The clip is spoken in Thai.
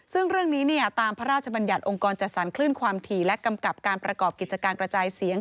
ซึ่งเรื่องนี้ตามพระราชบัญญัติองค์กรจัดสรรคลื่นความถี่และกำกับการประกอบกิจการกระจายเสียง